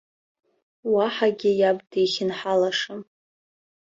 Уаҳагьы иаб дихьынҳалашам.